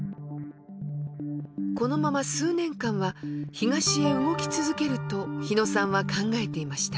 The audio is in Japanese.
このまま数年間は東へ動き続けると日野さんは考えていました。